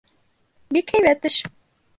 — Бик һәйбәт эш.